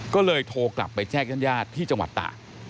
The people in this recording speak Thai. ก็เลยโทรกลับไปแจ้งญาติที่จังหวัดตาก